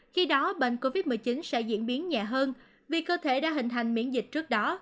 khi đó bệnh covid một mươi chín sẽ diễn biến nhẹ hơn vì cơ thể đã hình thành miễn dịch trước đó